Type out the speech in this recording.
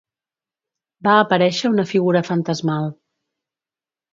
Va aparèixer una figura fantasmal.